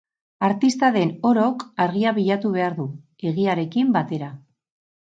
Artista den orok argia bilatu behar du, egiarekin batera.